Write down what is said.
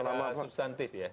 mungkin kita bicara substantif ya